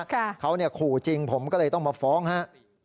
เขาเนี่ยขู่จริงผมก็เลยต้องมาฟ้องฮะ